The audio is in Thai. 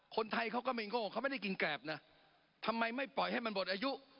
เขาก็ไม่โง่เขาไม่ได้กินแกรบนะทำไมไม่ปล่อยให้มันหมดอายุ